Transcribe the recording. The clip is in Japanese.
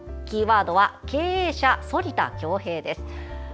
キーワードは「経営者・反田恭平」です。